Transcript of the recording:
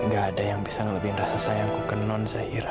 gak ada yang bisa ngelebih rasa sayangku ke non